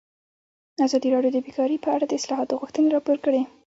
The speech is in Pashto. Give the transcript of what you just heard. ازادي راډیو د بیکاري په اړه د اصلاحاتو غوښتنې راپور کړې.